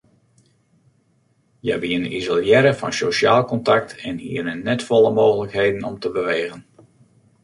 Hja wiene isolearre fan sosjaal kontakt en hiene net folle mooglikheden om te bewegen.